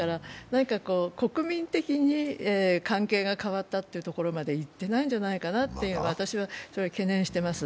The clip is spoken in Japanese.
国民的に関係が変わったというところまでいってないんじゃないかなと私は懸念してます。